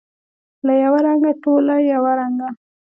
له یوه رنګه، ټوله یو رنګه